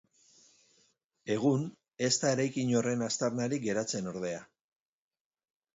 Egun, ez da eraikin horren aztarnarik geratzen ordea.